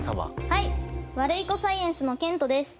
はいワルイコサイエンスのけんとです。